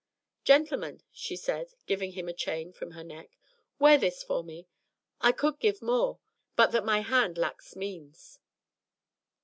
"Gentleman," she said, giving him a chain from her neck, "wear this for me. I could give more, but that my hand lacks means."